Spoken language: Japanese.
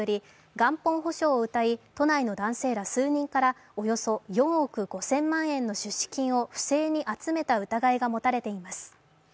元本保証をうたい、都内の男性ら数人からおよそ４億５０００万円の出資金を不正に集めて疑いが持たれています。